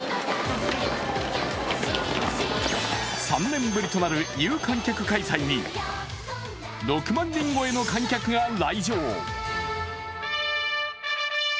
日曜、東京競馬場で３年ぶりとなる有観客開催に６万人超えの観客が来場。